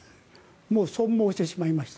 もう損耗してしまいました。